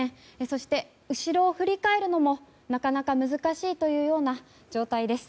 そして、後ろを振り返るのもなかなか難しいというような状態です。